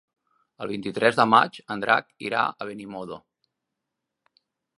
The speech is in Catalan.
El vint-i-tres de maig en Drac irà a Benimodo.